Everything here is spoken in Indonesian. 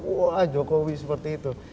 wah jokowi seperti itu